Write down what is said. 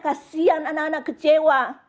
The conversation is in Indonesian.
kasian anak anak kecewa